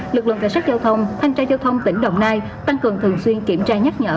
lực lượng cảnh sát giao thông thanh tra giao thông tỉnh đồng nai tăng cường thường xuyên kiểm tra nhắc nhở